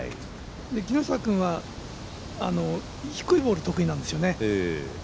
木下君は、低いボール得意なんですよね。